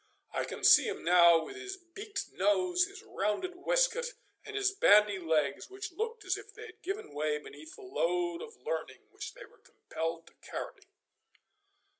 I can see him now with his beaked nose, his rounded waistcoat, and his bandy legs, which looked as if they had given way beneath the load of learning which they were compelled to carry.